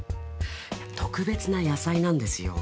特別な野菜なんですよ